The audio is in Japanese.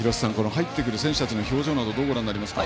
入ってくる選手たちの表情どうご覧になりますか？